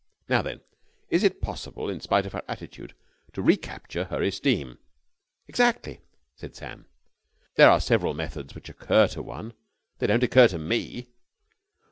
How, then, is it possible, in spite of her attitude, to recapture her esteem?" "Exactly," said Sam. "There are several methods which occur to one...." "They don't occur to _me!